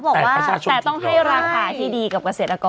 แต่เขาบอกว่าแต่ต้องให้ราคาที่ดีกับเกษตรกรด้วย